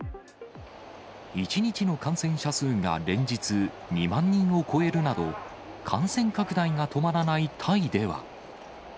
１日の感染者数が連日２万人を超えるなど、感染拡大が止まらないタイでは。